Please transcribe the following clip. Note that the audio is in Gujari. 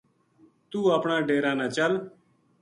توہ اپنا ڈیرا نا چل‘‘